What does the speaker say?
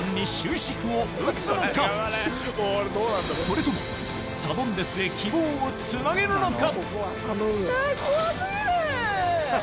それともサドンデスへ希望をつなげるのか？